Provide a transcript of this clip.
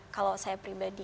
kalau saya pribadi